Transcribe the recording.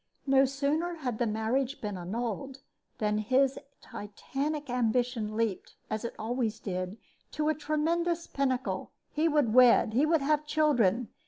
No sooner had the marriage been annulled than his titanic ambition leaped, as it always did, to a tremendous pinnacle. He would wed. He would have children.